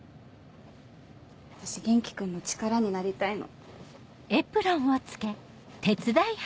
私元気君の力になりたいの。